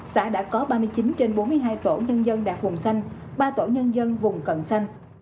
xã đã có ba mươi chín trên bốn mươi hai tổ nhân dân đạt phùng xanh ba tổ nhân dân vùng cận xanh